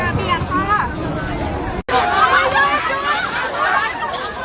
อันนี้คือบ้านสุดท้าย